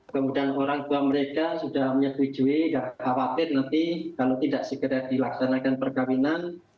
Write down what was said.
kemudian orang tua mereka sudah punya tujuan dan khawatir nanti kalau tidak sekedar dilaksanakan perkahwinan